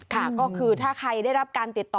ค่ะก็คือถ้าใครได้รับการติดต่อ